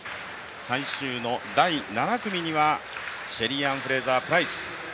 最終の第７組にはシェリーアン・フレイザープライス。